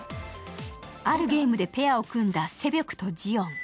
あるゲームでペアを組んだセビョクとジヨン。